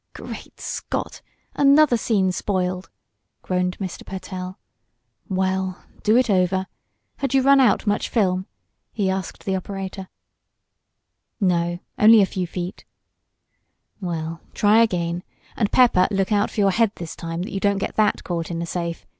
"Great Scott! Another scene spoiled!" groaned Mr. Pertell. "Well, do it over. Had you run out much film?" he asked the operator. "No, only a few feet." "Well, try again. And, Pepper, look out for your head this time, that you don't get that caught in the safe.